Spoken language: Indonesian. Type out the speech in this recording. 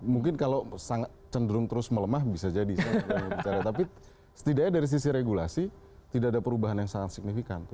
mungkin kalau sangat cenderung terus melemah bisa jadi saya tidak bicara tapi setidaknya dari sisi regulasi tidak ada perubahan yang sangat signifikan